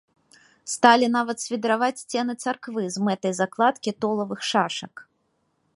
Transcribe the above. Сталі нават свідраваць сцены царквы з мэтай закладкі толавых шашак.